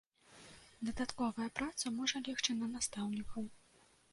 Дадатковая праца можа легчы на настаўнікаў.